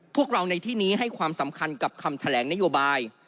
พวกเราในที่นี้ให้ความสำคัญกับคำแถลงนโยบาย